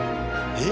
えっ？